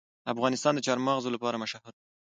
افغانستان د چار مغز لپاره مشهور دی.